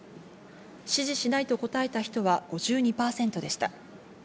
支持しないと答えた人は５２％でした。